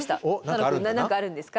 楽くん何かあるんですか？